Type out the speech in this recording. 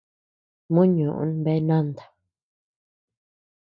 Mò ñoʼö bea nanta.